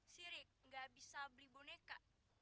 si rik gak bisa beli boneka